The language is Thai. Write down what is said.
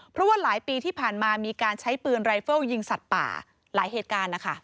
เพราะว่าหลายปีที่ผ่านมามีการใช้ปืนรายเฟิลยิงสัตว์ป่าหลายเหตุการณ์นะคะ